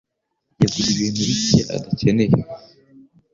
yaguze ibintu bike adakeneye.